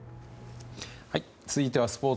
続いてはスポーツ。